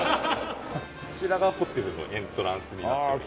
こちらがホテルのエントランスになっております。